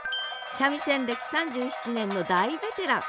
三味線歴３７年の大ベテラン。